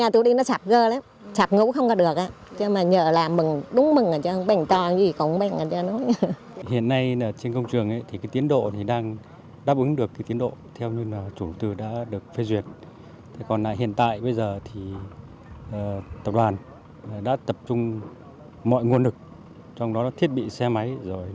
tập đoàn đã tập trung mọi nguồn lực trong đó là thiết bị xe máy